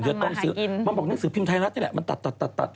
มันบอกนักกรณ์ภาคภิมธรรมฯไทยรัฐนี่เลยมันตัด